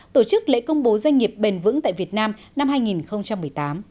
tổ chức lễ công bố doanh nghiệp bền vững tại việt nam năm hai nghìn một mươi tám